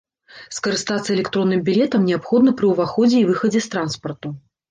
Скарыстацца электронным білетам неабходна пры ўваходзе і выхадзе з транспарту.